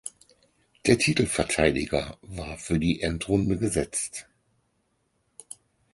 Der Titelverteidiger war für die Endrunde gesetzt.